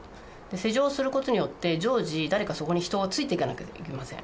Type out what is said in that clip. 施錠することによって、常時、誰かそこに人がついていかなければいけません。